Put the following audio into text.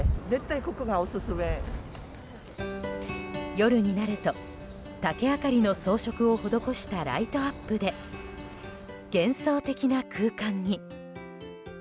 夜になると竹あかりの装飾を施したライトアップで幻想的な空間に。